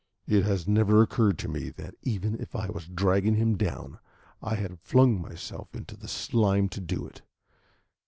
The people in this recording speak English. "It has never occurred to me that, even if I was dragging him down, I had flung myself into the slime to do it.